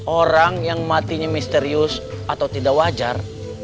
orang yang matinya misterius atau tidak wajar